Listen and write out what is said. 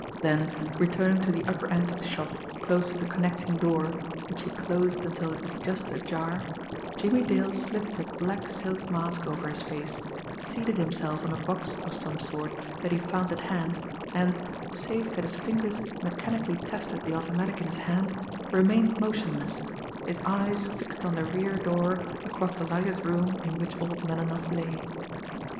Then, returning to the upper end of the shop close to the connecting door, which he closed until it was just ajar, Jimmie Dale slipped a black silk mask over his face, seated himself on a box of some sort that he found at hand, and, save that his fingers mechanically tested the automatic in his hand, remained motionless, his eyes fixed on the rear door across the lighted room in which old Melinoff lay.